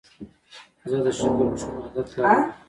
زه د شکر کښلو عادت لرم.